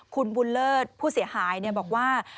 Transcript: คุณบุญเลิศผู้เสียหายบอกว่า